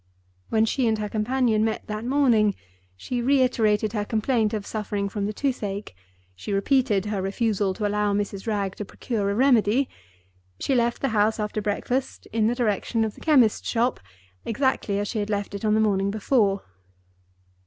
When she and her companion met that morning, she reiterated her complaint of suffering from the toothache; she repeated her refusal to allow Mrs. Wragge to procure a remedy; she left the house after breakfast, in the direction of the chemist's shop, exactly as she had left it on the morning before.